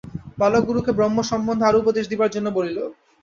বালক গুরুকে ব্রহ্ম সম্বন্ধে আরও উপদেশ দিবার জন্য বলিল।